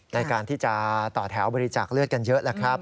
ในการที่จะต่อแถวบริจาคเลือดกันเยอะแล้วครับ